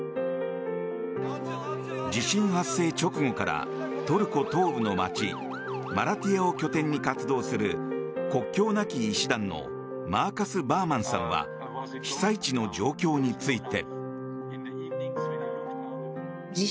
地震発生直後からトルコ東部の街マラティヤを拠点に活動する国境なき医師団のマーカス・バーマンさんは被災地の状況について。